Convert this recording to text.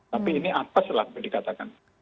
tapi ini atas lah dikatakan